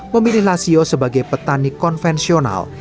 memilih lasio sebagai petani konvensional